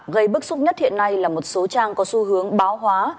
gây bức xúc nhất hiện nay là một số trang có xu hướng báo hóa